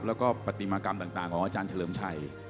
แล้วก็ปฏิมากรรมต่างของอาจารย์เฉลิมชัย